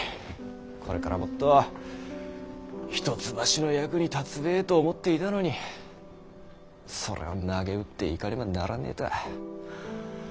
これからもっと一橋のお役に立つべえと思っていたのにそれをなげうって行かねばならねぇとは。